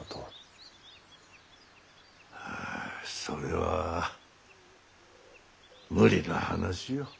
ああそれは無理な話よ。